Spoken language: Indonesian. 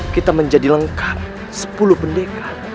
kita menjadi lengkap sepuluh bendeka